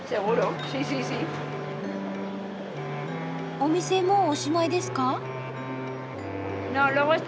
お店もうおしまいですか？